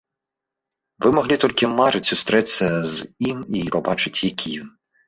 Вы маглі толькі марыць сустрэцца з ім і пабачыць, які ён.